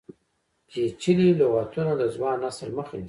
پیچلي لغتونه د ځوان نسل مخه نیسي.